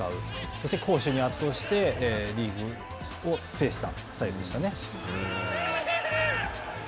そして攻守に圧倒してリーグを制したスタイルでしたね。